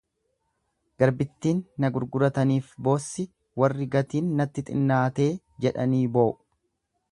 """Garbittin na gurguratanif boossi warri gatiin natti xinnaatee"" jedhanii boo'u."